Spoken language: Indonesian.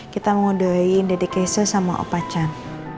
kita mau doain dedikasi sama opacan